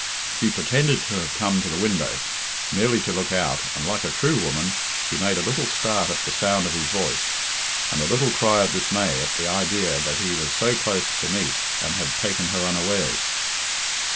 She pretended to have come to the window merely to look out, and, like a true woman, she made a little start at the sound of his voice, and a little cry of dismay at the idea that he was so close beneath and had taken her unawares.